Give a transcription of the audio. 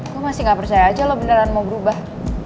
gue masih gak percaya aja loh beneran mau berubah